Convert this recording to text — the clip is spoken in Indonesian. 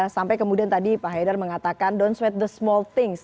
sampai kemudian tadi pak haidar mengatakan don't sweat the small things